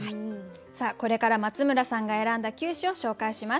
さあこれから松村さんが選んだ九首を紹介します。